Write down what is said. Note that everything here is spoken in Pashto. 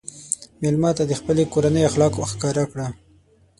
مېلمه ته د خپلې کورنۍ اخلاق ښکاره کړه.